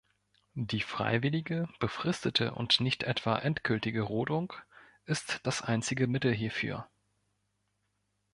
Die freiwillige befristete und nicht etwa endgültige Rodung ist das einzige Mittel hierfür.